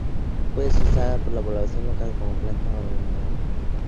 Puede ser usada por la población local como planta ornamental.